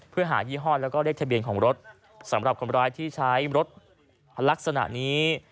เพื่อหายี่ห้อแล้วก็เลขทะเบียนของรถสำหรับคนร้ายที่ใช้รถลักษณะนี้